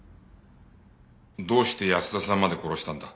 どうして保田さんまで殺したんだ？